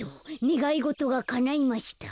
ねがいごとがかないました。